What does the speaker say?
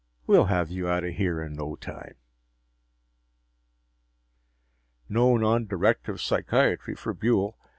We'll have you out of here in no time." No non directive psychiatry for Buehl.